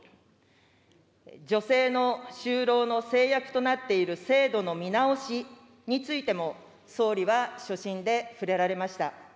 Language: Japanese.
女性の就労の制約となっている制度の見直しについても、総理は所信で触れられました。